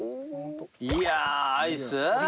いやあアイス？